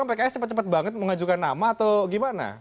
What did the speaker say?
pks cepat cepat banget mengajukan nama atau gimana